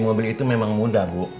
kejadian ini bener you